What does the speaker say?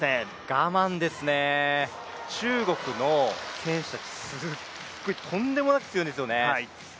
我慢ですね、中国の選手たちすごいとんでもなく強いんですよね。